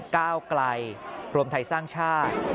ก้าวไกลรวมไทยสร้างชาติ